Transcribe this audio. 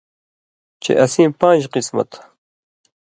چے اسیں پان٘ژ قِسمہ تھو۔